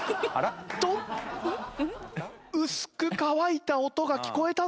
おっと。薄く乾いた音が聞こえたぞ。